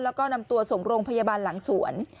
แล้วก็นำตัวส่งโรงพยาบาลหลังสวน